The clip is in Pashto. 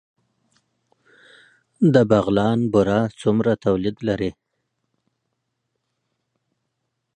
د بغلان بوره څومره تولید لري؟